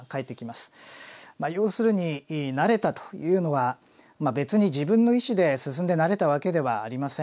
まあ要するに慣れたというのは別に自分の意思で進んで慣れたわけではありません。